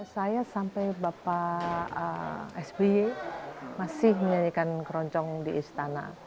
saya sampai bapak sby masih menyanyikan keroncong di istana